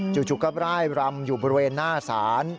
จุกก็ไล่ร้ำอยู่บริเวณหน้าสาน